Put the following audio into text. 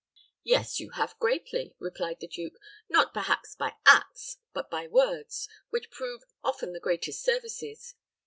"Yes, you have, greatly," replied the duke; "not perhaps by acts, but by words, which prove often the greatest services.